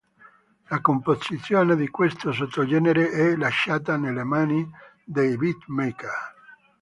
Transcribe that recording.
La composizione di questo sottogenere è lasciata nelle mani dei beatmaker.